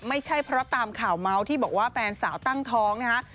ไม่ใช่เพราะตามข่าวเมาส์ที่บอกว่าแฟนสาวตั้งท้องนะคะ